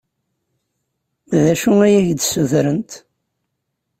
D acu i ak-d-ssutrent?